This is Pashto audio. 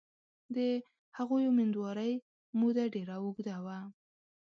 د هغوی امیندوارۍ موده ډېره اوږده وه.